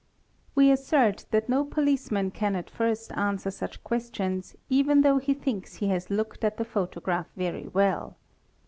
We assert that no policeman can at first answer such questions even though he thinks he has looked at the photograph very well.